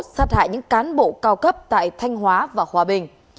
sát hại những cán bộ cao cấp tại thanh hóa và hòa bình